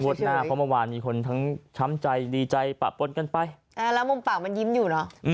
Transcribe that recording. วดทางพมวาดมีคนทั้งช้ำใจดีใจปะปล้นกันไปเออแล้วมุมปากมันยิ้มอยู่หรอ